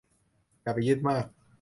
อย่าไปยึดมาก